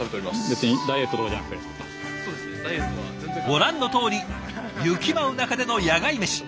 ご覧のとおり雪舞う中での野外メシ。